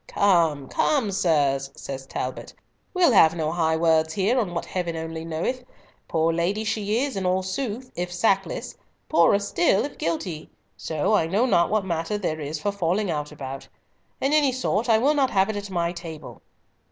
"Come, come, sirs," says Talbot, "we'll have no high words here on what Heaven only knoweth. Poor lady she is, in all sooth, if sackless; poorer still if guilty; so I know not what matter there is for falling out about. In any sort, I will not have it at my table."